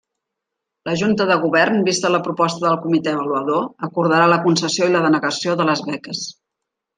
La Junta de Govern, vista la proposta del Comité Avaluador, acordarà la concessió i la denegació de les beques.